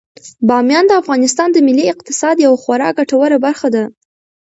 بامیان د افغانستان د ملي اقتصاد یوه خورا ګټوره برخه ده.